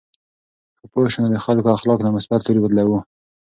که پوه شو، نو د خلکو اخلاق له مثبت لوري بدلوو.